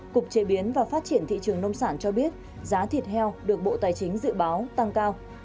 cục chế biến và phát triển thị trường nông sản cho biết giá thịt heo được bộ tài chính dự báo tăng cao